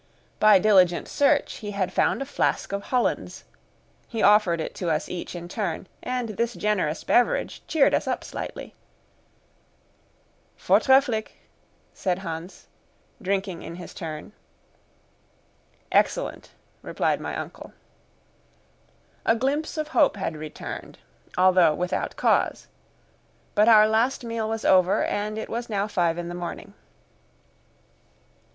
By diligent search he had found a flask of Hollands; he offered it to us each in turn, and this generous beverage cheered us up slightly. "Forträfflig," said Hans, drinking in his turn. "Excellent," replied my uncle. A glimpse of hope had returned, although without cause. But our last meal was over, and it was now five in the morning.